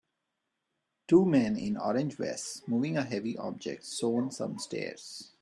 Two men in orange vests moving a heavy object sown some stairs.